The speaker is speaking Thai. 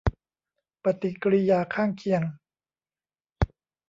ปฏิกิริยาข้างเคียง